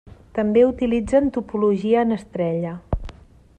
També utilitzen topologia en estrella.